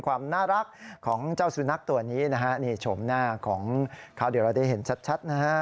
ความน่ารักของเจ้าสุนัขตัวนี้นะฮะนี่โฉมหน้าของเขาเดี๋ยวเราได้เห็นชัดนะฮะ